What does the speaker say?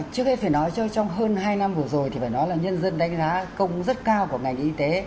trước hết phải nói cho trong hơn hai năm vừa rồi thì phải nói là nhân dân đánh giá công rất cao của ngành y tế